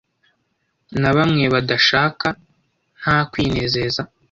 Na bamwe badashaka, nta kwinezeza